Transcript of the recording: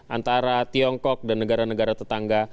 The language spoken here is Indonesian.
antara tiongkok dan negara negara tetangga